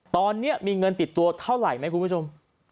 ตอนนี้มีเงินติดตัวเท่าไหร่ไหมคุณผู้ชม